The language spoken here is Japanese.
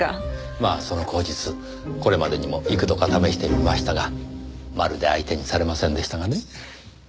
まあその口実これまでにも幾度か試してみましたがまるで相手にされませんでしたがね。